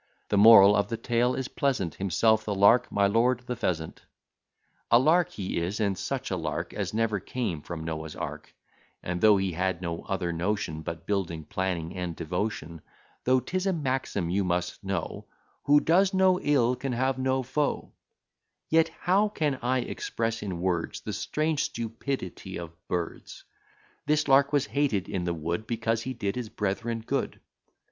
The moral of the tale is pleasant, Himself the Lark, my lord the Pheasant: A lark he is, and such a lark As never came from Noah's ark: And though he had no other notion, But building, planning, and devotion; Though 'tis a maxim you must know, "Who does no ill can have no foe;" Yet how can I express in words The strange stupidity of birds? This Lark was hated in the wood, Because he did his brethren good.